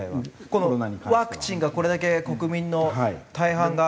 このワクチンがこれだけ国民の大半が。